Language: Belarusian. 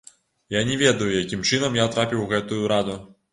Я не ведаю, якім чынам я трапіў у гэтую раду.